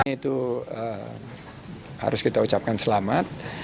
itu harus kita ucapkan selamat